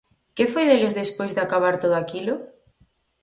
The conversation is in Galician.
Que foi deles despois de acabar todo aquilo?